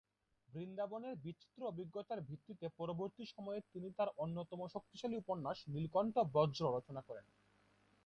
বৃন্দাবনের বিচিত্র অভিজ্ঞতার ভিত্তিতে পরবর্তী সময়ে তিনি তার অন্যতম শক্তিশালী উপন্যাস নীলকণ্ঠ ব্রজ রচনা করেন।